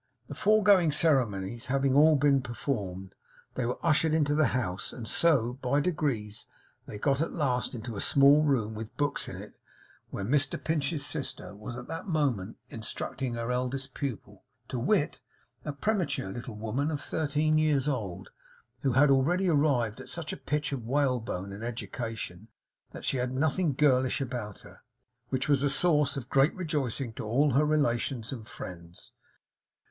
The foregoing ceremonies having been all performed, they were ushered into the house; and so, by degrees, they got at last into a small room with books in it, where Mr Pinch's sister was at that moment instructing her eldest pupil; to wit, a premature little woman of thirteen years old, who had already arrived at such a pitch of whalebone and education that she had nothing girlish about her, which was a source of great rejoicing to all her relations and friends.